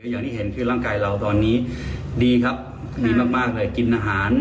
อย่างที่เห็นคือร่างกายเราตอนนี้ดีครับดีมากเลยกินอาหาร